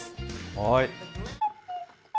はい。